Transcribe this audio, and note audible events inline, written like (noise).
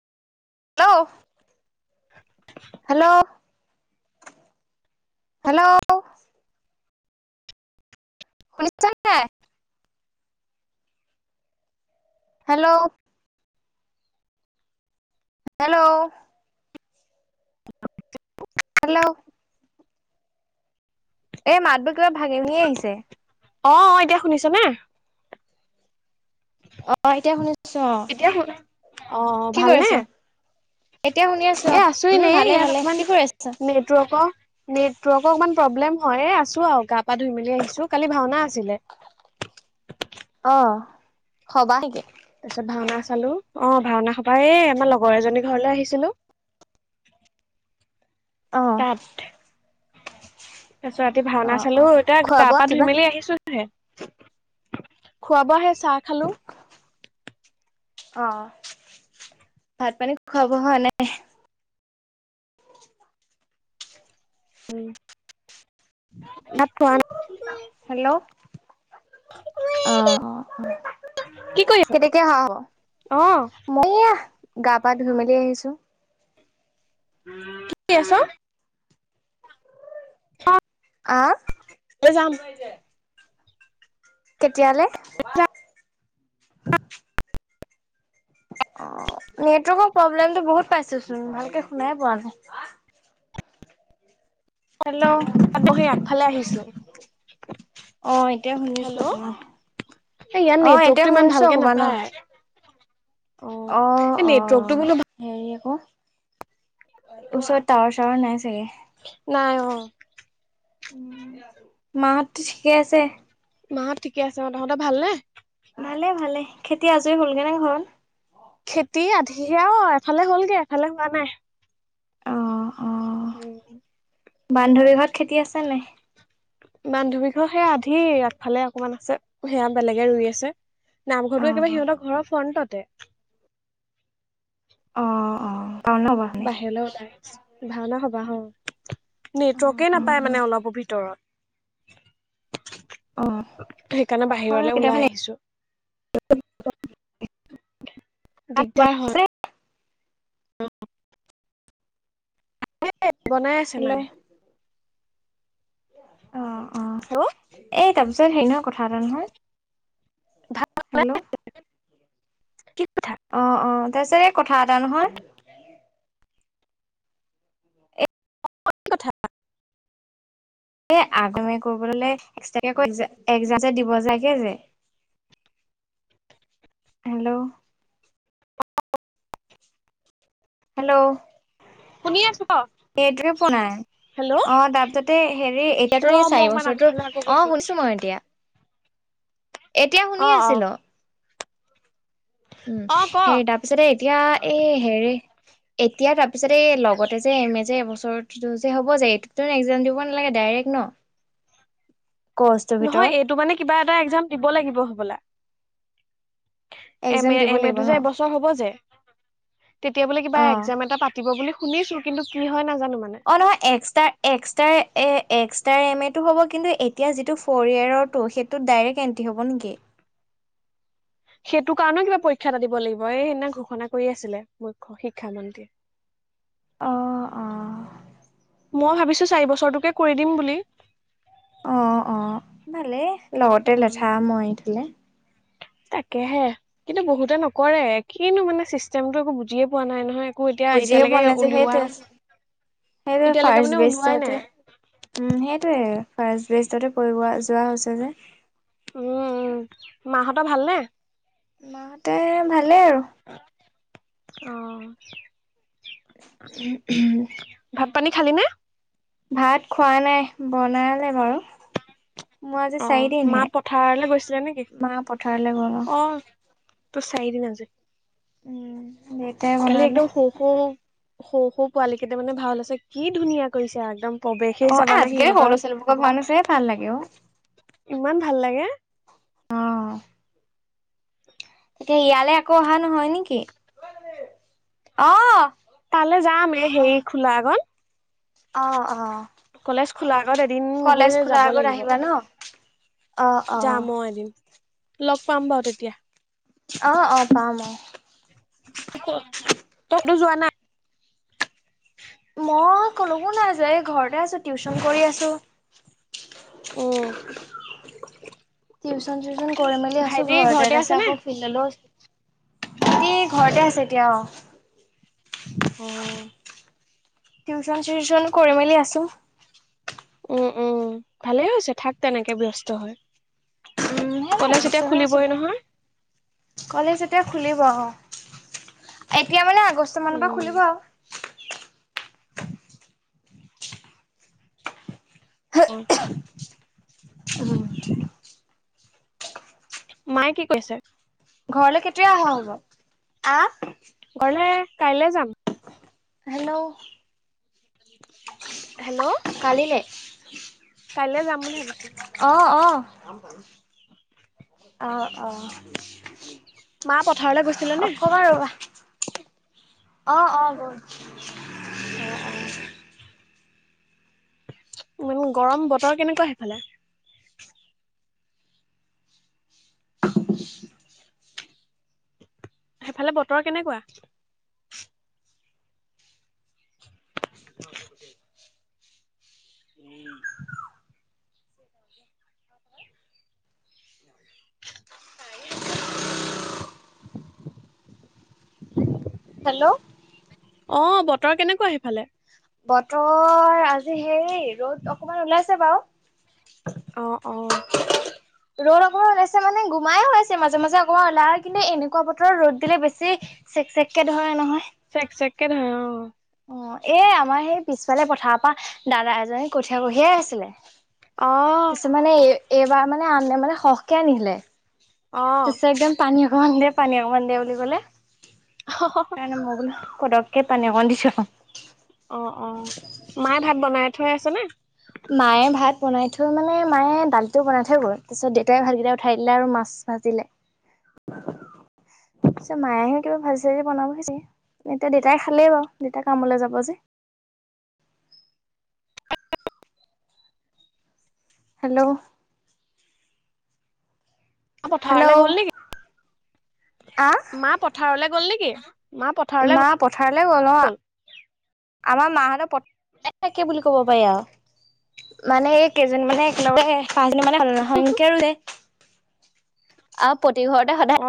Hello, hello, hello, শুনিছা নাই। Hello, hello, (unintelligible) hello, এ, মাত বোৰ কিবা ভাঙি ভাঙি আহিছে। অ, অ এতিয়া শুনিছ নে। অ, এতিয়া শুনিছো অ অ কি ভালনে কৰিছ। এতিয়া শুনি আছো উম ভালে ভালে কি কৰি আছ। নেটৱৰ্ক নেটৱৰ্ক অকমান প্ৰব্লেম হয়। আছো আৰু গা পা ধুই মেলি আহিছো কালি ভাওনা আছিলে। অ, হবা নেকি। তাৰ পিছত ভাওনা চালো অ, ভাওনা সবা এই আমাৰ লগৰ এজনী ঘৰলৈ আহিছিলো। অ, তাত তাৰ পিছত ৰাতি ভাওনা অ' চালো অ' এতিয়া খোৱা গা বোৱা পা ধুই কিবা? মেলি আহিছো। খোৱ বোৱা হে চাহ খালো। অ, ভাত পানী খোৱা বোৱা হোৱা নাই। (inaudible) হেল্ল' অ' (unintelligible) (unintelligible) কৰি আছ কেনেকে অহা হব অ মই আহ গা পা ধুই মেলি আহিছো। কি কৰি আছ। (unintelligible) আহ। যাম কেতিয়ালে। অ, নেটৱৰ্কৰ প্ৰব্লেমতটো বহুত পাইছো চোন ভালকে শুনাই পোৱা নাই। হেল্ল', ফালে আহিছো। অ, এতিয়া শুনিছো। হেল্ল' এ ইয়াত অ, এতিয়া নেটৱৰ্কটো ইমান শুনিছো ভালকে অকণমান অহ। নাপায় অ এই অ, নেটৱৰ্কটো বোলো হেৰি আকৌ ওচৰত টাৱাৰ চাৱৰ নাই চাগে। নাই অ। মা হত ঠিকে আছে। মাহঁত ঠিকে আছে অ তহতে ভালনে। ভালে ভালে খেতি আজৰি হ'লগে নে ঘৰত। খেতি আধিৰা অ এফালে হ'লগে এফালে হোৱা নাই। অ অ। উম। বান্ধৱীঘত খেতি আছে নে নাই। বান্ধৱী ঘৰত সেয়া আধি আগফালে অকমান আছে সেয়া বেলেগে ৰুই আছে। অ নামঘৰটো একেবাৰে সিহতৰ ঘৰৰ ফ্ৰন্টতে। অ অ। পাও ন বানে বাহিৰলৈ ওলাই ভাওনা হবা হ, অ নেটৱৰ্কে নাপায় মানে অলপো ভিতৰত। অ সেইকাৰণে হয় বাহিৰলে ওলাই কেতিয়াবা আহিছো। (unintelligible) দিগদাৰ হয়। এই বনাই আছে হেল্ল' মায়ে। অ' অ' হেল্ল' এই তাৰপিছত হেৰি নহয় কথা এটা নহয় ভাত হেল্ল'। কি পিঠা? অ' অ' তাৰপিছত এই কথা এটা নহয় অ কি কথা? এ আগমে কৰিবলৈ এক্সট্ৰা কে এক্সাম দিব যায় লাগে যে হেল্ল'। হেল্ল'। শুনি আছো ক। Eight zero four nine. Hello অ তাৰপাছতে হেৰি ৰ এতিয়াতো মই চাৰি অকমান বছৰটো আগফালে আকৌ অ গৈছো শুনিছো মই এতিয়া। এতিয়া অ শুনি অ আছিলো। উম, অ ক। হেৰি তাৰপিছতে এতিয়া এই হেৰি এতিয়া তাৰপিছতে এই লগতে যে এম এ যে এবছৰ যে হব যে এইটোত এক্সাম দিব নালাগে ডাইৰেক্ট ন। কৰ্চটোৰ নহয় ভিতৰত এইটো মানে কিবা এটা এক্সাম দিব লাগিব হবলা। এম এক্সাম এ দিব লাগিব এমটো যে ন এবছৰ হ'ব যে তেতিয়া বোলে কিবা অ একজাম এটা পাত দিব বুলি শুনিছো কিন্তু কি হয় নাজানো মানে। অ' নহয় এক্সট্ৰা এক্সট্ৰা এক্সট্ৰা এম এটো হ'ব কিন্তু এতিয়া যিটো ফ'ৰ ইয়েৰৰটো সেইটো তোত ডাইৰেক্ট এণ্ট্ৰি হ'ব নেকি? সেইটো কাৰণেও কিবা পৰীক্ষা এটা দিব লাগিব এই সেইদিনা ঘোষণা কৰি আছিলে মুখ্য শিক্ষামন্ত্ৰীয়ে। অ', অ'। মই ভাবিছোঁ চাৰি বছৰটোকে কৰি দিম বুলি। অ' অ' ভালেই লগতে উম লেঠা মৰি থ'লে। তাকেহে কিন্তু বহুতে নকৰে কিনো মানে চিষ্টেমটো একো বুজিয়ে পোৱা নাই নহয়। একো এতিয়া বুজিয়ে পোৱা এতিয়ালৈকে নাই যে উলিওৱা সেইটোৱে সেইটোৱে এতিয়ালৈকে মানে ফাৰ্ষ্ট ওলোৱাই নাই বেষ্টতে উম, সেইটোৱে ফাৰ্ষ্ট বেষ্টতে পৰিব যোৱা হৈছে যে। উম, মাহঁতৰ ভালনে? মাহতে ভালেই আৰু। অ'। উম হম্। ভাত পানী খালি নে? ভাত খোৱা নাই বনালে বাৰু। মোৰ আজি অ, মা চাৰিদিনহে পথাৰলৈ গৈছিলে নেকি? মা পথাৰলৈ গ'ল অ। তোৰ চাৰি দিন আজি উম কালি বনালে একদম সৰু সৰু, সৰু সৰু পোৱালি কেইটা মানে ভাও লৈছে কি ধুনীয়া কৰিছে একদম। প্ৰৱেশেই অ' এ চাবানা আজিকালি সও সিহঁতৰ লৰা ছোৱালী বোৰক ভাওনা চায়ে ভাল লাগে অ'। ইমান ভাল লাগে। অ' এতিয়া ইয়ালৈ আকৌ অহা নহয় নেকি? অ' তালে যাম এ হেৰি অ', খোলা আগত। অ' অ' কলেজ খোলাৰ আগত এদিন কলেজ গৈ খোলাৰ যাব আগত লাগিব। আহিবা ন? যাম অ' এদিন লগ পাম বাৰু তেতিয়া। অ' অ' পাম অ তই তো যোৱা নাই মই কলৈকো নাই যোৱা এই ঘৰতে আছো টিউচন কৰি আছো। উম (inaudible) টিউশ্যন চিউচন কৰি মেলি আছোঁ ভাইটি ঘৰতে। আছে তাপিছত নে আকৌ বাকী ঘৰতে আছে এতিয়া অ, অ', টিউশচন চিউচন কৰি মেলি আছোঁ। উম, উম, ভালেই হৈছে থাক তেনেকে ব্যস্ত হয়। উম, সেইয়াই কলেজ ব্যস্ত এতিয়া হৈ আছো খুলিবই বাৰু। নহয়। কলেজ এতিয়া খুলিব অ, এতিয়া মানে আগষ্ট মানৰ পৰা খুলিব উম আৰু। অ', উম, মাই কি কৰিছে? ঘৰলে কেতিয়া অহা হব? আহ, ঘৰলে কাইলে যাম। হেল্ল', হেল্ল' কালিলে কাইলে যাম বুলি ভাবিছো। অ, অ, অ, অ, মা পথাৰলৈ গৈছিলে নে অকমান ৰবা? অ, অ, গল। অ, অ, মানে গৰম বতৰ কেনেকুৱা সেইফালে? (unintelligible) সেইফালে বতৰ কেনেকুৱা? (unintelligible) (inaudible) হেল্ল', অ, বতৰ কেনেকুৱা সিফালে? বতৰ আজি হেৰি ৰ'দ অকমান ওলাইছে বাৰু। অ, অ, ৰ'দ অকণমান ওলাইছে মানে গোমাই হৈ আছে মাজে-মাজে অকমান ওলাই যদি এনেকুৱা বতৰত ৰ'দ দিলে বেছি চেক-চেককে ধৰে নহয়। চেক-চেককে ধৰে অ', অ, এ আমাৰ সেই পিছফালে পথাৰ পৰা দাদা এজনে কঠীয়া কঢ়িয়াই আছিলে। অ', তাৰপিছত মানে এই এইবাৰ মানে আনলে মানে সহকে আনিলে। অ পিছে একদম, পানী অকমান দে, পানী অকণমান দে বুলি ক'লে। অ (unintelligible) কাৰণে মই বোলো পতককে পানী অকণ দিছো আকৌ। অ, অ, মাই ভাত বনাই, থৈ আছে নে? মায়ে ভাত বনাই থৈ মানে মায়ে দালিটো বনাই থৈ গ'ল, তাৰপিছত দেউতাই ভাতকেইটা উঠাই দিলে আৰু মাছ ভাজিলে। তাৰ পিছত মায়ে কিবা ভাজি চাজি বনাবহি এতিয়া দেউতাই খালেই বাৰু দেউতা কামলে যাব যে। হেল্ল', মা পথাৰলৈ হেল্ল' গ'ল নেকি? আহ মা প পথাৰলে গ'ল নেকি? মা পথাৰলে গ'ল। পথাৰলে গ'ল অ, আমাৰ মাহঁতে পথাৰত থাকে বুলি কব পাৰি আৰু। মানে এই কেইজনী মানে একেলগতে পাছিলো মানে সাধ সংখ্যাৰো যে আৰু প্ৰতি ঘৰতে সদায় গ'ল অ